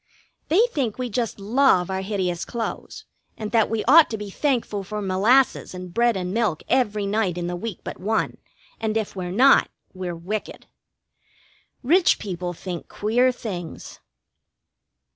They think we just love our hideous clothes, and that we ought to be thankful for molasses and bread and milk every night in the week but one, and if we're not, we're wicked. Rich people think queer things.